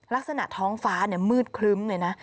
ลักษณะท้องฟ้ามืดครึ้มเลยนะ